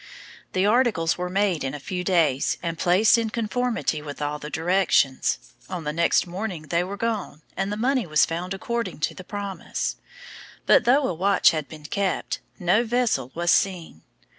The articles were made in a few days, and placed in conformity with the directions. On the next morning they were gone, and the money was found according to the promise; but though a watch had been kept, no vessel was seen.